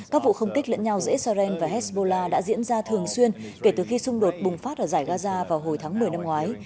các vụ không kích lẫn nhau giữa israel và hezbollah đã diễn ra thường xuyên kể từ khi xung đột bùng phát ở giải gaza vào hồi tháng một mươi năm ngoái